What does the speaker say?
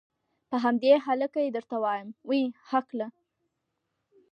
په همدې هلکه یې درته وایم.